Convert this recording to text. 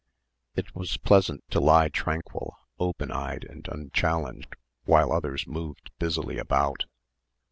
It was pleasant to lie tranquil, open eyed and unchallenged while others moved busily about.